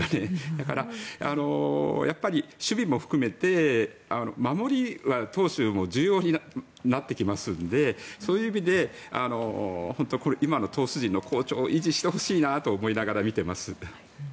だから、守備も含めて守りは投手も重要になってきますのでそういう意味で今の投手陣の好調を維持してほしいなと思いながら見ています。